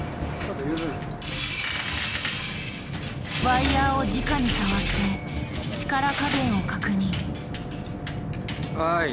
ワイヤーをじかに触って力加減を確認。